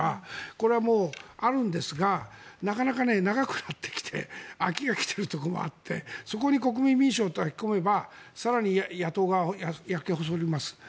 これはもうあるんですがなかなか長くなってきて飽きが来ているところもあってそこに国民民主を抱き込めば更に野党側も焼け細ります。